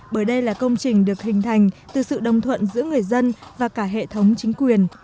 bởi đây là công trình được hình thành từ sự đồng thuận giữa người dân và cả hệ thống chính quyền